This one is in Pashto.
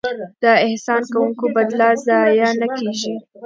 د احسان کوونکو بدله ضایع نه کیږي.